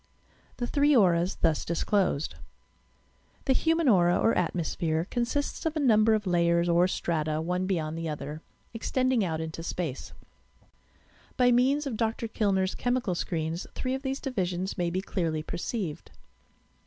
THE THEEE AUEAS THUS DISCLOSED The human aura or atmosphere consists of a number of layers or strata one beyond the other, extending out into space. By means of Dr. Kllner's chemical screens three of these divisions may be clearly perceived.